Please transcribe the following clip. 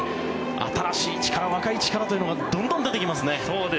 新しい力、若い力というのがどんどん出てきますね。